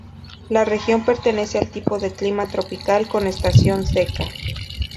La región pertenece al tipo de clima tropical con estación seca.